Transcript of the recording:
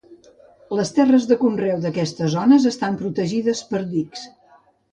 Les terres de conreu d'aquestes zones estan protegides per dics.